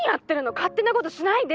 勝手なことしないでって。